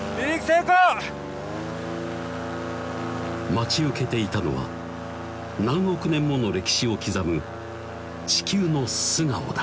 待ち受けていたのは何億年もの歴史を刻む地球の素顔だ！